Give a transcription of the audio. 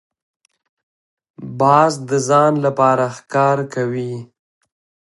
باز د ځان لپاره ښکار کوي